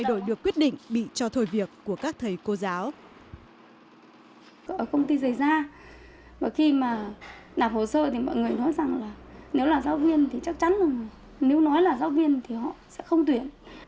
nếu nói là giáo viên thì chắc chắn là nếu nói là giáo viên thì họ sẽ không tuyển